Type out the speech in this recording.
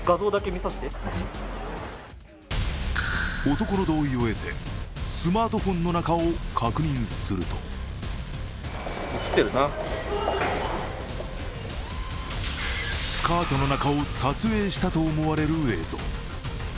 男の同意を得て、スマートフォンの中を確認するとスカートの中を撮影したと思われる映像。